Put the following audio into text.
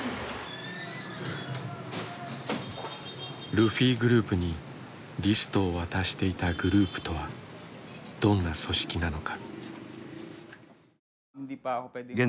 ルフィグループにリストを渡していたグループとはどんな組織なのか。